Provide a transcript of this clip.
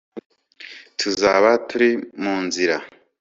tuzaba turi munzira